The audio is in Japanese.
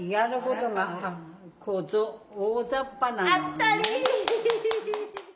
当ったり！